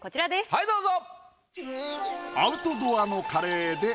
はいどうぞ。